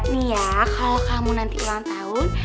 nih ya kalau kamu nanti ulang tahun